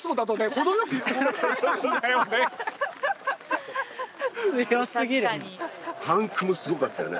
程よくこう強すぎるパンクもすごかったよね